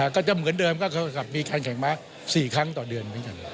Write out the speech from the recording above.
ก็จะเหมือนเดิมก็จะมีการแข่งม้าสี่ครั้งต่อเดือน